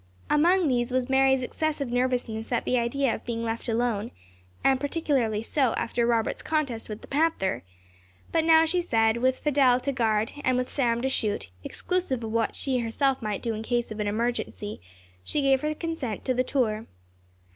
Among these was Mary's excessive nervousness at the idea of being left alone, and particularly so after Robert's contest with the panther; but now she said, that with Fidelle to guard, and with Sam to shoot, exclusive of what she herself might do in case of an emergency, she gave her consent to the tour.